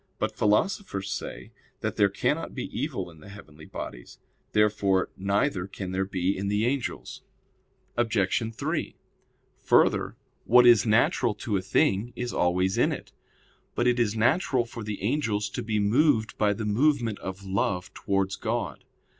But philosophers say that there cannot be evil in the heavenly bodies. Therefore neither can there be in the angels. Obj. 3: Further, what is natural to a thing is always in it. But it is natural for the angels to be moved by the movement of love towards God.